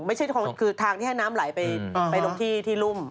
ไม่ใช่คือทางที่ให้น้ำไหลไปลงที่รุ่ม